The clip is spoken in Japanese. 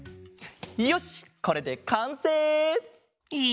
よしこれでかんせい！